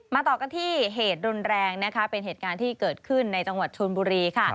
ต่อกันที่เหตุรุนแรงนะคะเป็นเหตุการณ์ที่เกิดขึ้นในจังหวัดชนบุรีค่ะ